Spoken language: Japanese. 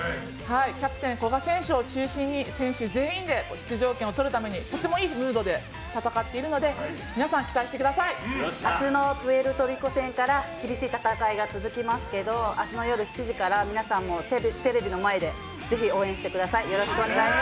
キャプテン古賀選手を中心に選手全員で出場権を取るためにとてもいいムードで戦っているので明日のプエルトリコ戦から厳しい戦いが続きますが明日の夜７時から皆さんもテレビの前でぜひ応援してください。